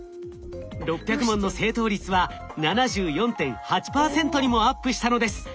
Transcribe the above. ６００問の正答率は７４．８％にもアップしたのです。